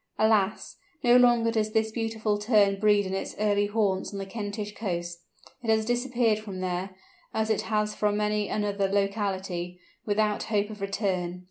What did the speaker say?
Alas! no longer does this beautiful Tern breed in its early haunts on the Kentish coast; it has disappeared from there, as it has from many another locality, without hope of return.